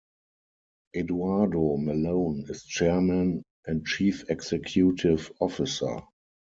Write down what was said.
Eduardo Malone is Chairman and Chief Executive Officer.